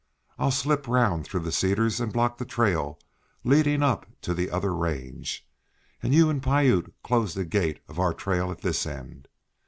I'll slip round through the cedars, and block the trail leading up to the other range, and you and Piute close the gate of our trail at this end.